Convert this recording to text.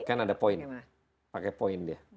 kan ada poin